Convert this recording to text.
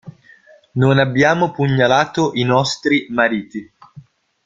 Non abbiamo pugnalato i nostri mariti.